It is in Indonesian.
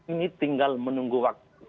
ini tinggal menunggu waktu